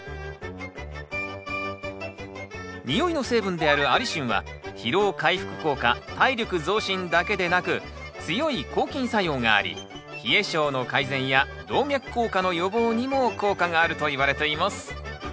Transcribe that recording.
においの成分であるアリシンは疲労回復効果体力増進だけでなく強い抗菌作用があり冷え性の改善や動脈硬化の予防にも効果があるといわれています。